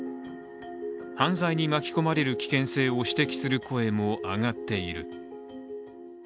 犯罪に巻き込まれる危険性を指摘する声も上がっている。